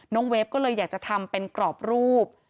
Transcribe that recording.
เวฟก็เลยอยากจะทำเป็นกรอบรูป